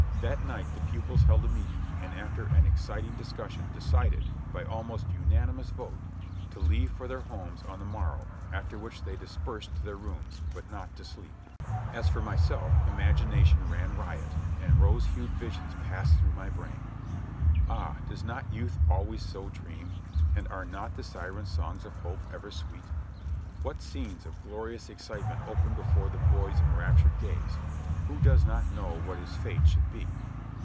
That night the pupils held a meeting and after an exciting dis cussion decided, by almost unanimous vote, to leave for their homes on the morrow, after which they dispersed to their rooms, but not to sleep. As for myself, imagination ran riot and rose hued visions passed through my brain. Ah ! does not youth always so dream, and are not the siren songs of hope ever sweet? What scenes of glorious excitement opened before the boy's enraptured gaze, who does not know what his fate should be!